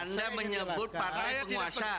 saya menyebut partai penguasa